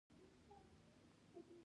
د زایمان د زخم لپاره د عسل ملهم وکاروئ